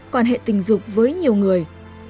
quan hệ tình dục với nhiều người